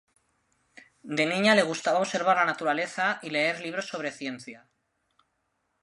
De niña le gustaba observar la naturaleza y leer libros sobre ciencia.